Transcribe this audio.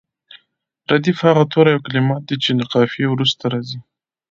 ردیف هغه توري او کلمات دي چې له قافیې وروسته راځي.